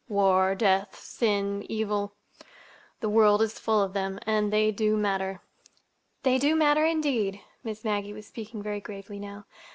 War, death, sin, evil—the world is full of them, and they do matter." "They do matter, indeed." Miss Maggie was speaking very gravely now.